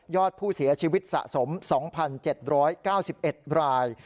อดผู้เสียชีวิตสะสม๒๗๙๑ราย